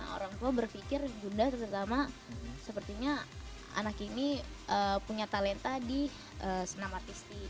orang tua berpikir bunda terutama sepertinya anak ini punya talenta di senam artistik